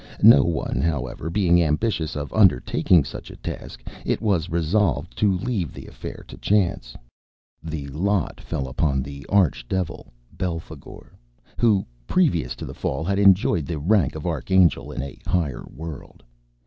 No one, however, being ambitious of undertaking such a task, it was resolved to leave the affair to chance. The lot fell upon the arch devil Belphagor, who, previous to the Fall, had enjoyed the rank of archangel in a higher world.